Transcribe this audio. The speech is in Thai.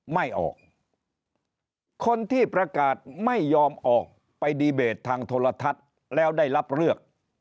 ไม่ออกคนที่ประกาศไม่ยอมออกไปดีเบตทางโทรทัศน์แล้วได้รับเลือก